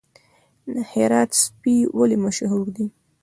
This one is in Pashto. د هرات سپي ولې مشهور دي؟